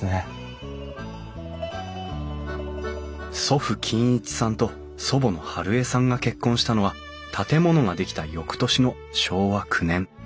祖父金一さんと祖母の春枝さんが結婚したのは建物が出来た翌年の昭和９年。